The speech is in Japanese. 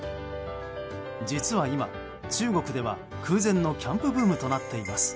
実は今、中国では空前のキャンプブームとなっています。